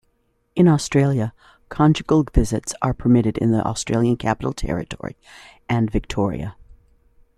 In Australia, conjugal visits are permitted in the Australian Capital Territory and Victoria.